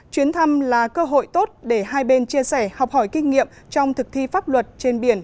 chuyến thăm là cơ hội tốt để hai bên chia sẻ học hỏi kinh nghiệm trong thực thi pháp luật trên biển